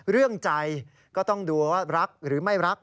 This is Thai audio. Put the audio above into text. เรื่องใจก็ต้องดูว่ารักหรือไม่รัก